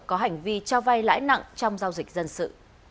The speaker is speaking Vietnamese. có hành vi trao vai lãi nặng trong giao dịch dân sự